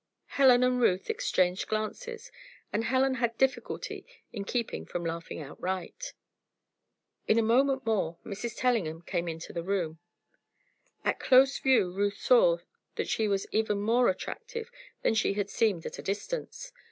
Helen and Ruth exchanged glances and Helen had difficulty in keeping from laughing outright. In a moment more Mrs. Tellingham came into the room. At close view Ruth saw that she was even more attractive than she had seemed at a distance.